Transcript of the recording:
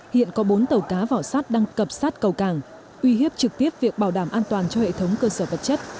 hiện có bốn tàu cá vỏ sát đang cập sát cầu cảng uy hiếp trực tiếp việc bảo đảm an toàn cho hệ thống cơ sở vật chất